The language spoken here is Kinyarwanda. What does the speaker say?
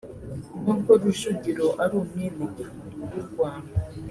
n’ubwo Rujugiro ari umwenegihugu w’u Rwanda